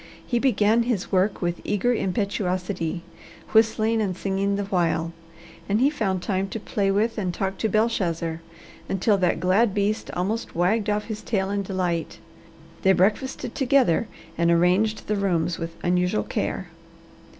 He began his work with eager impetuosity, whistling and singing the while, and he found time to play with and talk to Belshazzar, until that glad beast almost wagged off his tail in delight. They breakfasted together and arranged the rooms with unusual care.